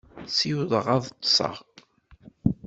Ssiwḍeɣ ad ṭṭseɣ.